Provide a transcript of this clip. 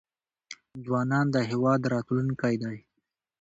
ځوانان د هیواد راتلونکی دی